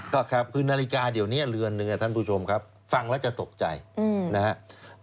ก็ครับคือนาฬิกาเดี๋ยวนี้เรือนหนึ่งท่านผู้ชมครับฟังแล้วจะตกใจนะครับ